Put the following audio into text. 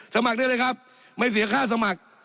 สมัครได้เลยครับไม่เสียค่าสมัคร